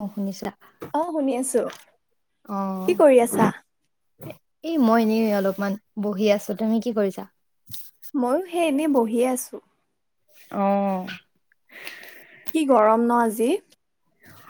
অ', শুনিছা? অ', শুনি আছো, অ কি কৰি আছা? মান বহি আছো, তুমি কি কৰিছা? ময়ো সেই এনে বহিয়ে আছো। অ'। কি গৰম ন' আজি।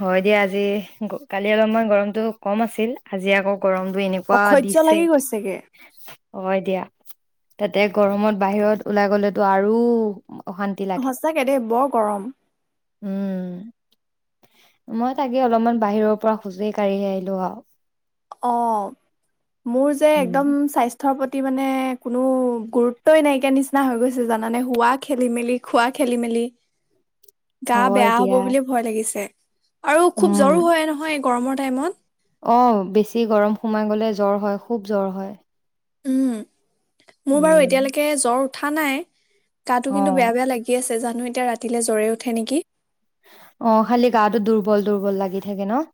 হয় দিয়া আজি কালি অলপমানই গৰমতটো কম আছিল আজি আকৌ গৰমটো এনেকুৱা অসহ্য দিছে, লাগি গৈছেগে হয় দিয়া। তাতে গৰমত বাহিৰত ওলাই গ'লেতো আৰু অশান্তি লাগে। সচাকে দেই বৰ গৰম। উম মই তাকে অলপমান বাহিৰৰ পৰা খোজ কাঢ়ি আহিলো আৰু। অ'। মোৰ যে উম এক্দম স্বাস্থ্যৰ প্ৰতি অ', মানে কোনো গুৰুত্বই নাইকা নিচিনা হৈ গৈছে জানানে হোৱা খেলি মেলি, খোৱা খেলি মেলি। গা হয় বেয়া হ'ব দিয়া বুলি ভয় লাগিছে। আৰু খুব উম জ্বৰও হয় নহয়, গৰমৰ টাইমত অ বেছি গৰম সোমাই গলে জ্বৰ হয় খুব জ্বৰ হয়। উম। মোৰ বাৰু উম এতিয়ালৈকে জ্বৰ কথা নাই অ গাটো কিন্তু বেয়া বেয়া লাগি আছে যা নো এতিয়া ৰাতিলেলৈ জ্বৰে উঠে নেকি! অ খালি গাটো দুৰ্বল দুৰ্বল লাগি থাকে ন।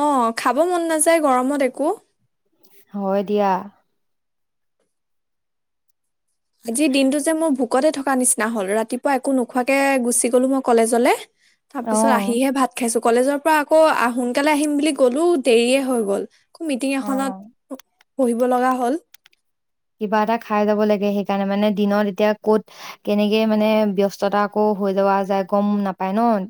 অ খাব মন নাযায় গৰমত একো। হয় দিয়া। আজিৰ দিনটো যে মোৰ ভুক কতে থকা নিচিনা হ'ল ৰাতিপুৱা একো নোখোৱাকে গুচি গ'লো মই কলেজলে তাৰ পিছত অ', আহিহে ভাত খাইছো। কলেজৰ পৰা আকৌ সোনকালে আহিম বুলি গলো দেৰিয়ে হৈ গ'ল মিটিং অ', এখনত বহিব লগা হ'ল। কিবা এটা খাই যাব লাগে সেইকাৰণে মানে দিনত এতিয়া কত কেনেকে মানে ব্যস্ততা আকৌ হৈ লোৱা যায় গম নাপ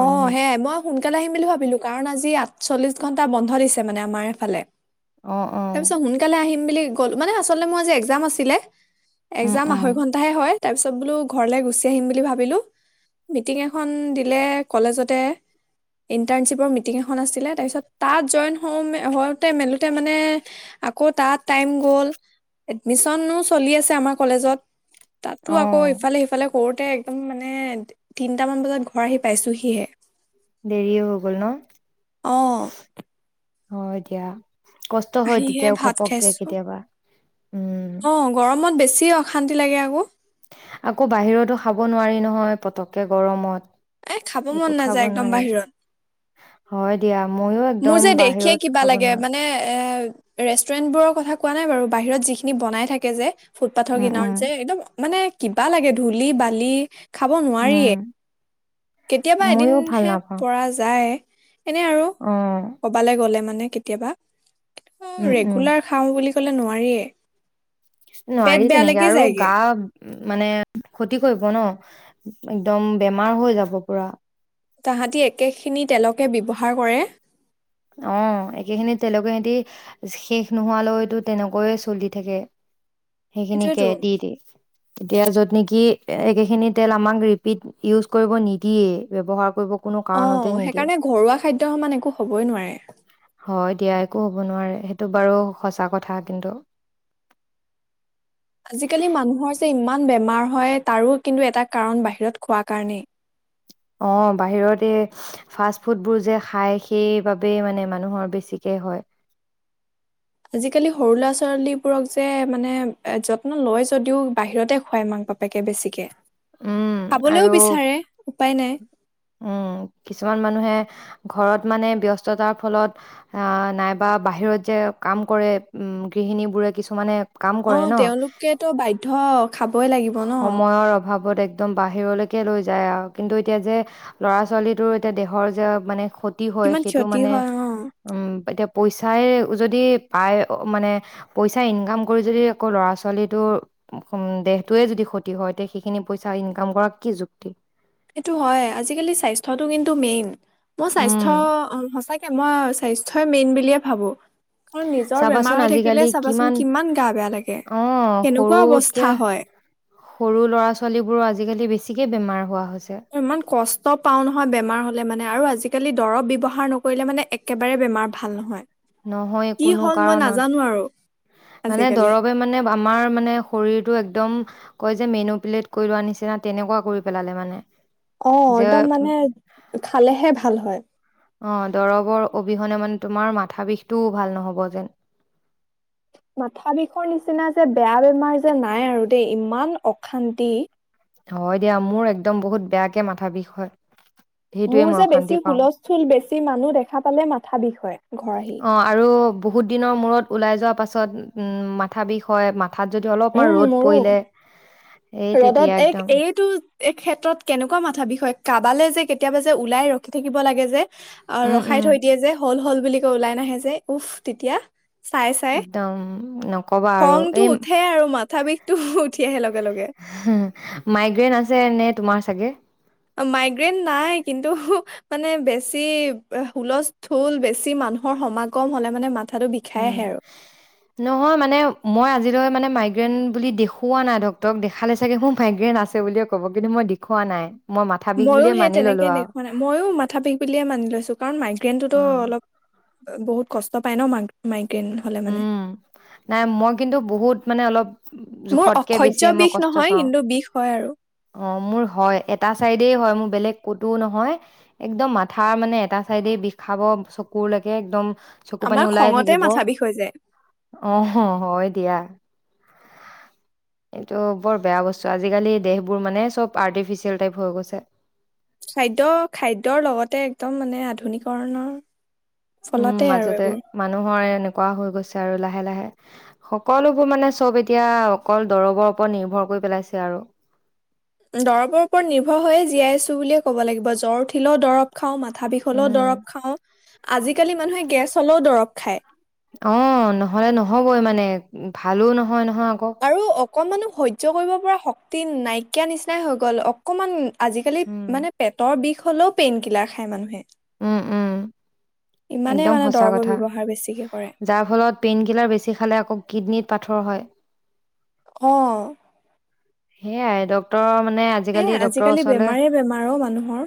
অ সেয়াই মই শুন সোনকালে আহিম বুলি ভাবিলো কাৰণ আজি আঠচল্লিশ ঘণ্টা বন্ধ দিছে মানে আমাৰ এইফালে। অ', অ', তাৰপিছত সোনকালে আহিম আবেলি মানে আচলতে মোৰ এক্সাম আছিলে উম, এক্সাম উম, আঢ়ৈ ঘন্টাহে হয়। তাৰ পিছত বোলো ঘৰলে গুচি আহিম বুলি ভাবিলো মিটিং এখন দিলে কলেজতে ইণ্টাৰণশ্বিপৰ মিটিং এখন আছিলে তাৰপিছত তাত জইন হওঁতে মেলোতে মানে আকৌ তাত টাইম গ'ল এডমিশনো চলি আছে আমাৰ কলেজত তাতো আকৌ অ', ইফালে সিফালে কৰোঁতে একদম মানে তিনিটা মান বজাত ঘৰ আহি পাইছোঁহিহে। দেৰি হৈ গল ন? অ হ‌য় দিয়া। কষ্ট হয় আহিহে তেতিয়াও ভাত ঘপককে খাইছো কেতিয়াবা উম। কি অশান্তি লাগে আকৌ আকৌ বাহিৰতো খাব নোৱাৰি নহয় পতককে এ খাব গৰমত মন একো খাব নাযায় একদম নোৱাৰে বাহিৰত হয় দিয়া ময়ো মোৰ একদম যে দেখিয়ে বাহিৰত কিবা খাব লাগে নোৱাৰো মানে এ ৰেষ্টুৰেন্ট বোৰৰ কথা কোৱা নাই বাৰু বাহিৰত যিখিনি বনাই থাকে যে ফুটপাথৰ উম, উম, কিনাৰত যে একদম মানে কিবা লাগে ধূলি বালি খাব উম, নোৱাৰিয়ে কেতিয়াবা ময়ো ভাল এদিনহে নাপাওঁ পৰা যায় এনে আৰু অ', কবালৈ গ'লে মানে ে কেতিয়াবা অ উম, উম। ৰেগুলাৰ খাওঁ বুলি কলে নোৱাৰিয়েই নোৱাৰি তেনেকে আৰু গা মানে ক্ষতি কৰিব ন একদম বেমাৰ হৈ যাব পুৰা তাহাঁতি একেখিনি তেলকে ব্যৱহাৰ কৰে অ একেখিনিত তেলোকে সিতি শেষ নোহোৱালৈতো তেনেকৈয়ে চলি থাকে সেইখিনিকে সেইটোয়েতো দি দ এতিয়া য'ত নেকি স একেখিনি তেল আমাক ৰিপিট ইউজ কৰিব নিদিয়ে ব্যৱহাৰ কৰিব কোনো অ কাৰণতে নিদিয়ে সেইকাৰণে ঘৰুৱা খাদ্্য সমান একো ক'বই নোৱাৰে এতিয়া একো হ'ব নোৱাৰে সেইটো বাৰু সঁচা কথা কিন্তু আজিকালি মানুহৰ যে ইমান বেমাৰ হয় তাৰো কিন্তু এটা কাৰণ বাহিৰত খোৱাৰ কাৰণেই অ বাহিৰত এই ফাষ্ট ফুডবোৰ যে খাই সেইবাবেই মানে মানুহৰ বেছিকে হয় আজিকালি সৰু ল'ৰা ছোৱালীবোৰক যে মানে যত্ন লয় যদিও বাহিৰতে খুৱায় মাক বাপেকে বেছিকে উম খাবলেও আৰু বিচাৰে উপায় নাই উম কিছুমান মানুহে ঘৰত মানে ব্যস্ততাৰ ফলত নাইবা বাহিৰত যে কাম কৰে গৃহিণীবোৰে কিছুমানে কাম অ কৰে ন তেওঁলোকেতো বাধ্যয় খাবই লাগিব ন সময়ৰ অভাৱত একদম বাহিৰলৈকে লৈ যায় আৰু কিন্তু এতিয়া যে ল'ৰা ছোৱালীটোৰ এতিয়া দেহৰ যে মানে ক হয় কিমান সেইটো ক্ষতি মানে হয় অ উ এতিয়া পইচাই যদি পায় মানে পইচাই ইনকাম কৰি যদি আকৌ ল'ৰা ছোৱালীটোৰ দেহটোৱে যদি ক্ষতি হয় তে সেইখিনি পইচা ইনকাম কৰ কি যুক্তি এইটো হয় আজিকালি স্বাস্থ্যটো কিন্তু মেইন মোৰ উম, স্বাস্থ্য সচাকে মই স্বাস্থ ই মেইন বুলিয়ে ভাবো কাৰণ নিজৰ বেমাৰ চাবাচোন হৈ থাকিলে আজিকালি চাবাচোন কিমান গা বেয়া লাগে অ কেনেকুৱা সৰুতকে অৱস্থা হয় সৰু ল'ৰা ছোৱালীবোৰ আজিকালি বেছি গতিিকে বেমাৰ হোৱা হয় ইমান কষ্ট পাও নহয় বেমাৰ হলে মানে আৰু আজি আজিকালি দৰৱ ব্যৱহাৰ নকৰিলে মানে একেবাৰে বেমাৰ ভাল নহয় নহয় কি কোনো হ'ল মই নাজানো আৰু কাৰণত মানে আজিকালি। দৰৱে মানে আমাৰ মানে শৰীৰটো একদম কয় যে মেনু প্লেট কৰি লোৱাৰ নিচিনা তেনেকুৱা কৰি পেলালে মানে অ যে একদম মানে খালেহে ভাল হয়। অ দৰৱৰ অবিহনে মানে তোমাৰ মাথা বিষটোও ভাল নহব যেন। মাথা বিষৰ নিচিনা যে বেয়া বেমাৰ যে নাই আৰু দেই ইমান অশান্তি। হয় দিয়া মোৰ একদম বহুত বেয়াকে মাথা বিষ হয় সেইটোৱে মোৰ মই যে অশান্তি বেছি পাওঁ। হুলস্থুল বেছি মানুহ দেখা পালে মাথা বিষ হয় ঘৰ আহি অ', তাৰ পাছত উম মাথা বিষ হয় ম ঠাত যদি অলপমান উম ৰ'দ মোৰো পৰিলে এই ৰদত তেতিয়া এক একদম এইটো এই ক্ষেত্ৰত কেনেকুৱা মাথা বিষ হয় কাৰাবালে যে কেতিয়াবা যে ওলাই ৰখি থাকিব লাগে যে। আৰু উম, উম। ৰখাই থৈ দিয়ে যে হ'ল হল। বুলি কয় ওলাই নাহে যে উফ তেতিয়া চাই চাই একদম নক'বা আৰু খংটো এই উঠে আৰু মাথা বিষটো উঠি আহে লগে লগে। মাইগ্ৰেইন আছে নে তোমাৰ চাগে মাইগ্ৰেইন নাই কিন্তু মানে বেছি হুলস্থুল বেছি মানুহৰ সমাগম হলে মানে মাথাটো বিষাই উম আহে আৰু নহয় মানে মই আজিলৈ মানে। মাইগ্ৰেণ্ট বুলি দেখুওবা নাই ডক্তৰক দেখালে চাগে মোৰ মাইগ্ৰেণ্ট আছে বুলিয়ে ক'ব কিন্তু মই দেখুওবা নাই মই মাথা বিষ ময়ো বুলিয়ে সেই মানি ল'লো তেনেকে আৰু দেখুুওৱা নাই মইয়ো মাথা বিষ বুলিয়ে মানি লৈছো কাৰণ মাইগ্ৰেইনটোতো অ', অলপ বহুত কষ্ট চ পাইন ম ম উম নাই মই কিন্তু বহুত মানে অলপ মোৰ জোখতকে অসহ্য বেছিয়ে মই বিষ কষ্ট নহয় পাওঁ। কিন্তু বিষ হয় আৰু অঁ মোৰ হয় এটা চাইডেই হয় মোৰ বেলেগ ক'তোও নহয় একদম মাথাৰ মানে এটা চাইডেই বিষাব চকুৰলৈকে একদম আমাৰ খঙতে মাথা বিষ হয় আহ হয় দিয়া। এইটো বৰ বেয়া বস্তু আজিকালি দেহবোৰ মানে চব আৰ্টিফিচিয়েল টাইপ হৈ গৈছে খাদ্য খাদ্যৰ লগতে একদম মানে আধুনিকৰণৰ উম ফলতে আৰু মাজতে এইবোৰ মানুহৰ এনেকুৱা হৈ গৈছে আৰু লাহে লাহে সকলোবোৰ মানে চব এতিয়া অকল দৰবৰ ওপৰত নিৰ্ভৰ কৰি পেলাইছে আৰু দৰবৰ ওপৰত নিৰ্ভৰ হৈয়ে জীয়াই আছো বুলিয়ে ক'ব লাগিব জ্বৰ উঠিলেও দৰব খাও মা মাথা বিষ হ'লেও উম দৰৱ খাওঁ আজিকালি মানুহে গেছ হ'লেও দৰৱ খায়। অ নহলে নহবই মানে ভালো নহয় হা ক অকণমানহ সহ্য কৰিব পৰা শক্তি নাইকিয়া নিচিনাই হৈ গ'ল অকণমান আজিকালি উম মানে পেটৰ বিষ হলেও পেইন কিলাৰ খায় মানুহে উম উম ইমানেই একদম মানে সচা দৰৱৰ কথা ব্যৱহাৰ বেছিকে কৰে যাৰ ফলত পেইন কিলাৰ বেছি খালে আকৌ কিডনিত পাথ ওঠৰ হয় অ সেয়াই ডক্টৰ মানে এ আজিকালি বেমাৰে বেমাৰ অ মানুহৰ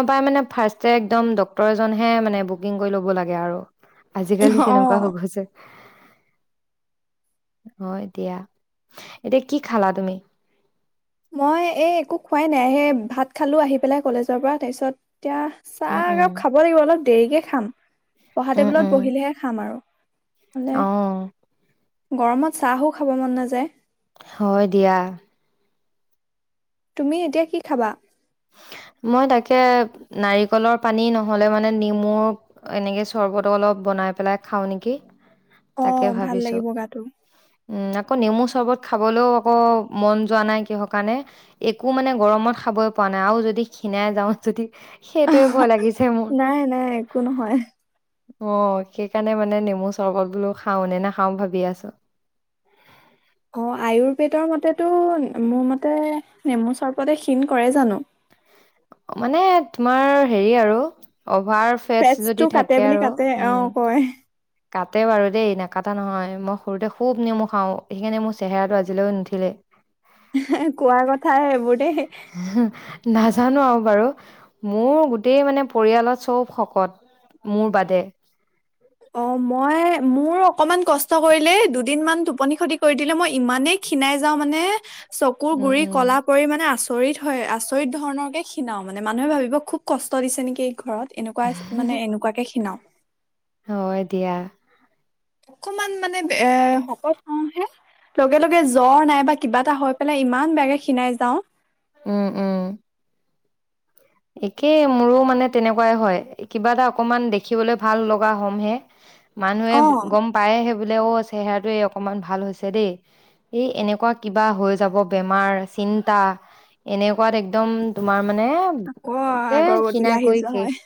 উ পাই মানে ফাৰ্ষট একদম ড্ক্তৰ এজনহে মানে বুকিং কৰি ল'ব লাগে আৰু আজিকাবলি অ তেনেকুৱা হৈ গৈছে অ এতিয়া এতিয়া কি খালা তুমি মই এই একো খোৱাই নাই সে ভাত খালো আহি পেলাই কলেজৰ পৰা তাৰপিছত এতিয়া উম, চাহ উম, একপ খাব লাগিব অলপ দেৰিকে খাম পঢ়া টেবুলত বহিলেহে খাম আৰু মানে আহ গৰমত চাহো খাব মন নাযায় হয় দিয়া তুমি এতিয়া কি খাবা মই তাকে নাৰিকলৰ পানী নহ'লে মানে নেমু এনেকে চৰ্বত অলপ বনাই পেলাই খাওঁ নেকি অ তাকে ভাল ভাবিছোঁ। লাগিব গাতটো উম, আকৌ নেমু চৰ্বত খাবলৈও আকৌ মন যোৱা নাই কিহৰ কাৰণে একো মানে গৰমত খাব বনাও যদি ষীণাই যাওঁ যদি সেইটোৱে ভয় লাগিছে মোৰ। নাই নাই একো নহয় অ সেইকাৰণে মানে নেমু চৰ্বত বোলো খাও নে নাখাও ভাবি আছো অ আয়ুৰ্বেদৰ মতেতো মোৰ মতে নেমু চৰ্বতে ক্ষীণ কৰে জানো মানে তোমাৰ হেৰি আৰু অভাৰ ফেটছ তেজটো যদি কাটে থাকে বুলি আৰু কাটে অ উম কয় কাটে বাৰু দেই নাকটা নহয় মই সৰুতে খুব নেমু খাওঁ সেইকাৰণে মোৰ চেহেৰাটো আজিলৈও নুঠিলে এ কোৱা আগত থায় বোটেই নাজানো আৰু বাৰু, মোৰ গোটেই মানে পৰিয়ালত চব শকত মোৰ বাদে। অ', ময়-মোৰ অকমান কষ্ট কৰিলে, দুদিনমান টোপনি খতি কৰি দিলে। মই ইমানেই ক্ষীণাই যাওঁ মানে চকুৰ উম, গুৰি উম, কলা পৰি, মানে আচ আচৰিত হয়। আচৰিত ধৰণৰকে ক্ষীণাও, মানে মানুহে ভাবিব খুব কষ্ট দিছে নেকি এইক ঘৰত। এনেকুৱাহ মানে এনেকুৱাকে ক্ষীণাও। হয় দিয়া। অকমান মানে এ শকত হ‌ওঁ হে। লগে-লগে জ্বৰ নাই বা কিবা এটা হৈ পেলাই ইমান বেয়াকে ক্ষীণাই যাওঁ উম, উম। একেই মোৰো মানে তেনেকুৱাই হয়, কিবা এটা অকমান দেখিবলৈ ভাল লগা হ'মহে মানুহে অ' গম পায়, সেই বোলে অ', চেহেৰাটো অকমান ভাল হৈছে দেই। এই এনেকুৱা কিবা হৈ যাব বেমাৰ, চিন্তা। এনেকুৱাত একদম তোমাৰ মানে। একে আকৌ আগৰ গতিলৈ আহি যোৱা হয়।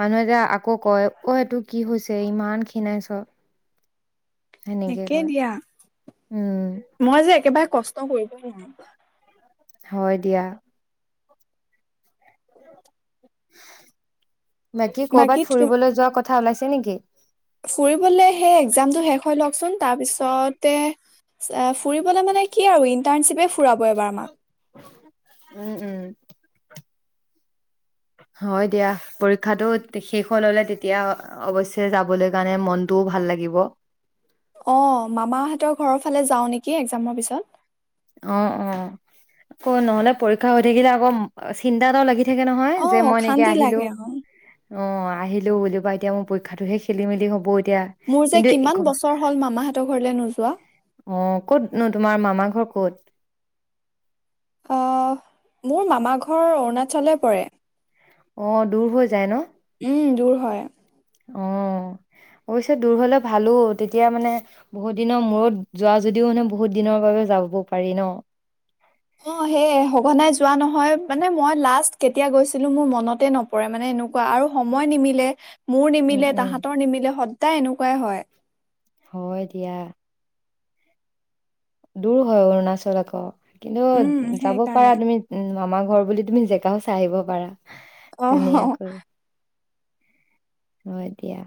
মানুহ যে আকৌ কয়, অ', এইটো কি হৈছে। ইমান ক্ষীণাইছোঁ। একে দিয়া। উম মই যে একেবাৰে কষ্ট ত কৰিব নোৱাৰো। হয় দিয়া। [unintelligible] বাকী ক'ৰবাত ফুৰিবলৈ যোৱা কথ কথা ওলাইছে নেকি। ফুৰিবলে, সেই এক্সাম শেষ হৈ লওকচোন। তাৰ পিছতে, এ ফুৰিবলে মানে কি আৰু ইন ইন্টাৰচিপে ফুৰাব এইবাৰ আমাক। উম, উম। হয় দিয়া। পৰীক্ষাটো শেষ হৈ ল'লে, তেতিয়া অৱশ্যে যাবলৈ কাৰণে মনটোও ভাল লাগিব। এফালে যাওঁ নেকি, এক্সামৰ পিছত। অ', অ, আকৌ নহ'লে পৰীক্ষা হৈ থাকিলে, আকৌ চিন্তা এটাও লাগি থ থাকে নহয়। অ যে মই এনেকে অশান্তি আহিলোঁ। লাগে অ অ', আহিলোঁ বুলি কৈ, এতিয়া মোৰ পৰীক্ষাটোহে খেলি-মেলি হ'ব। এত- মোৰ যে কিমান বছৰ হ'ল মামাহঁতৰ ঘৰলে নোযোৱা। অ', কতনো, তোমাৰ মামা ঘৰ ক'ত। অ', মোৰ মামা ঘৰ অৰুণাচলে পৰে অ', দূৰ হৈ যায় ন। উম, দূৰ হয় অ', অৱশ্যে দূৰ হ'লে ভালো, তেতিয়া মানে বহুত দিনৰ মূৰত যোৱা যদিও মানে বহুত দিনৰ বাবে যাব পাৰি ন। অ', সেয়ে সঘনাই যোৱা নহয়, মানে মই লাষ্ট কেতিয়া গৈছিলো। মোৰ মনতে নপৰে, মানে এনেকুৱা আৰু সময় নিমিলে। মোৰ উম, নিমিলে, উম, তাহতৰ নিমিলে সদায় এনেকুৱাই হয়। হয় দিয়া। দূৰ হয় অৰুণাচল আকৌ উম কিন্তু যাব সেইকাৰণে পাৰা তুমি মামাক ঘৰ বুলি তুমি জেগাও চাই আহিব পাৰা আহ ধুনীয়াকৈ হয় দিয়া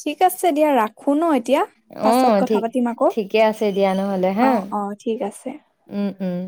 ঠিক আছে দিয়া ৰাখো ন এতিয়া অ পাছত কথা ঠিক পাতিম আকৌ ঠিকে আছে দিয়া নহ'লে অ হা অ ঠিক আছে উম উম